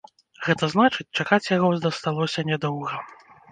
Гэта значыць, чакаць яго засталося нядоўга.